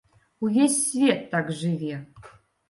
Увесь свет так жыве!